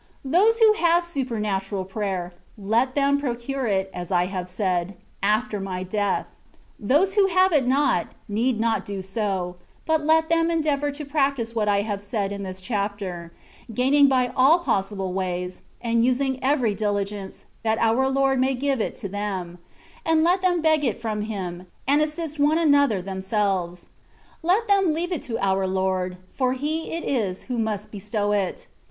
Those who have supernatural prayer, let them procure it^ (as I have said), after my death : those who have it not, need not do so, but let them endeavour to practise what I have said in this chapter, gaining by all possible ways, and using every diligence, that our Lord may give it to them ; and let them beg it from Him, and assist one another them selves. Let them leave it to our Lord, for He it is who must bestow it.